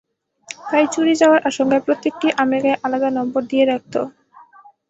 তাই চুরি যাওয়ার আশঙ্কায় প্রত্যেকটি আমের গায়ে আলাদা নম্বর দিয়ে রাখত।